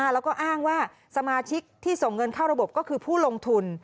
แล้วก็อ้างว่าสมาชิกที่ส่งเงินเข้าระบบก็คือผู้ลงทุน